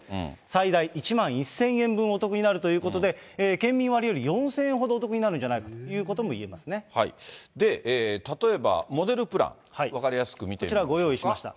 最大１万１０００円分お得になるということで、県民割より４０００円ほどお得になるんじゃないかということもいで、例えば、モデルプラン、こちら、ご用意しました。